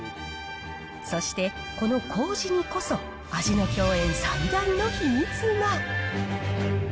そしてこのこうじにこそ、味の饗宴、最大の秘密が。